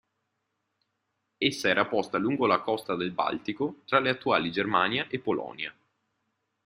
Essa era posta lungo la costa del Baltico tra le attuali Germania e Polonia.